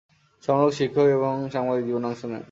সমালোচক, শিক্ষক এবং সাংবাদিক জীবনে অংশ নেন।